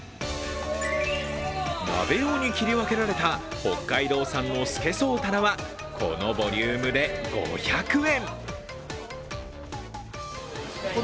鍋用に切り分けられた北海道産のすけそうたらはこのボリュームで５００円。